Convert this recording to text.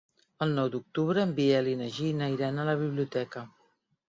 El nou d'octubre en Biel i na Gina iran a la biblioteca.